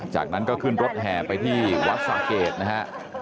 จากนั้นก็ขึ้นรถแห่ไปที่วัดสะเกดนะฮะ